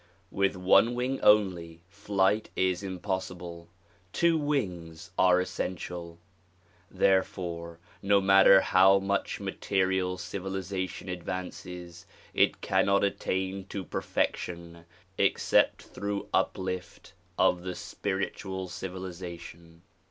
With one wing only, flight is impossible. Two wings are essential. Therefore no matter how much material civilization advances it cannot attain to perfection except through uplift of the spiritual civilization.